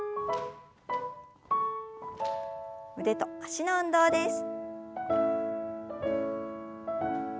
腕と脚の運動です。